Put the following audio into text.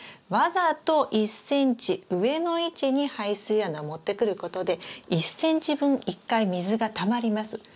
わざと１ｃｍ上の位置に排水穴を持ってくることで１ｃｍ分１回水がたまります。